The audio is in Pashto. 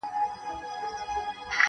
کنې دا زړه بېړی به مو ډوبېږي,